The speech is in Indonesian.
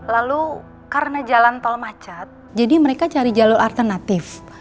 lalu karena jalan tol macet jadi mereka cari jalur alternatif